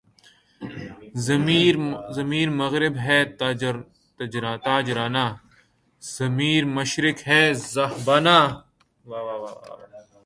ضمیرِ مغرب ہے تاجرانہ، ضمیر مشرق ہے راہبانہ